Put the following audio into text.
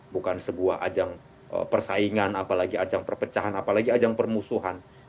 bukan sebuah ajang persaingan apalagi ajang perpecahan apalagi ajang permusuhan